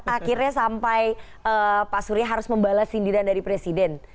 akhirnya sampai pak surya harus membalas sindiran dari presiden